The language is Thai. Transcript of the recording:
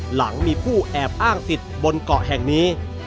หลังมีผู้แอบอ้างสิทธิ์บนเกาะแห่งนี้